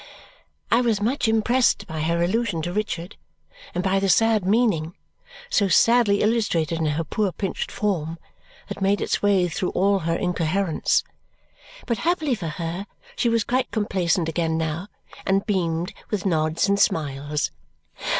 I was much impressed by her allusion to Richard and by the sad meaning, so sadly illustrated in her poor pinched form, that made its way through all her incoherence. But happily for her, she was quite complacent again now and beamed with nods and smiles.